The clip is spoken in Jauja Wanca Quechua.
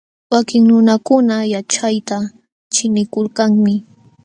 Wakin nunakuna yaćhayta ćhiqnikulkanmi.